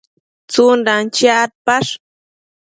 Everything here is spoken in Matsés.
tsundan chiac adpash?